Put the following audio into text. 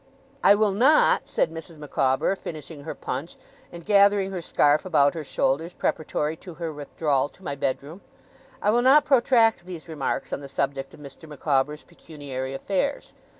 'I will not,' said Mrs. Micawber, finishing her punch, and gathering her scarf about her shoulders, preparatory to her withdrawal to my bedroom: 'I will not protract these remarks on the subject of Mr. Micawber's pecuniary affairs.